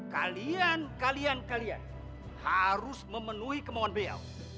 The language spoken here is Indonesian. kalian kalian kalian harus memenuhi kemauan beliau